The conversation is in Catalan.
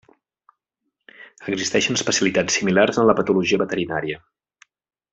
Existeixen especialitats similars en la patologia veterinària.